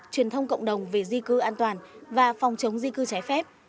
truyền thông cộng đồng về di cư an toàn và phòng chống di cư trái phép